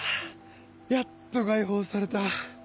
やっと解放された。